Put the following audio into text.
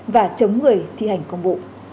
và chống người thi hành công vụ